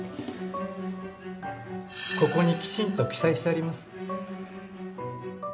ここにきちんと記載してあります。